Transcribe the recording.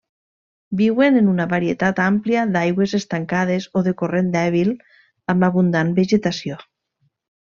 Viuen en una varietat àmplia d'aigües estancades o de corrent dèbil amb abundant vegetació.